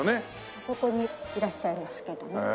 あそこにいらっしゃいますけどね。